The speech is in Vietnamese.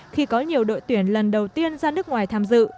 khi có nhiều đội tuyển lần đầu tiên ra nước ngoài tham dự